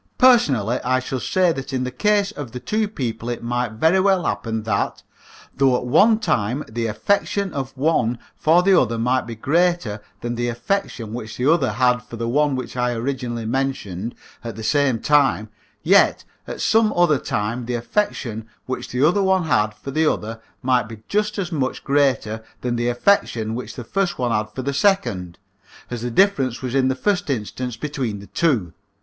Personally, I should say that in the case of two people it might very well happen that, though at one time the affection of one for the other might be greater than the affection which the other had for the one which I originally mentioned at the same time, yet at some other time the affection which the other one had for the other might be just as much greater than the affection which the first one had for the second, as the difference was in the first instance between the two.